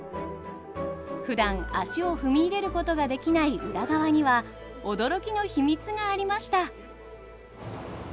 ふだん足を踏み入れることができない裏側には驚きの秘密がありました。